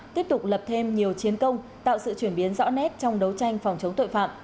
tiếp tục lập thêm nhiều chiến công tạo sự chuyển biến rõ nét trong đấu tranh phòng chống tội phạm